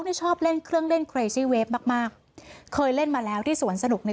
นี่ชอบเล่นเครื่องเล่นเครซี่เวฟมากมากเคยเล่นมาแล้วที่สวนสนุกใน